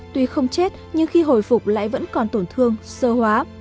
tuy không chết nhưng khi hồi phục lại vẫn còn tổn thương sơ hóa